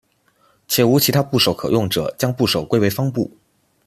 且无其他部首可用者将部首归为方部。